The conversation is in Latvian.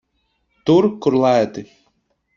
Tur, kur lēti.